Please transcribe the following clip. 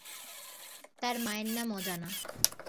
তার মায়ের নাম অজানা।